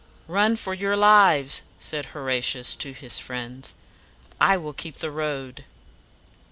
"Run for your lives!" said Horatius to his friends. "I will keep the road."